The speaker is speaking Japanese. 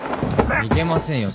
逃げませんよ